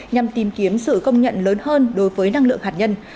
nhằm tìm kiếm sự công nhận lớn hơn đối với năng lượng hạt nhân